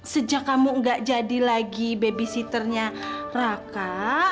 sejak kamu gak jadi lagi babysitternya raka